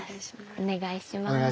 お願いします。